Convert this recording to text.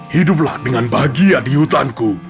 hiduplah dengan bahagia di hutanku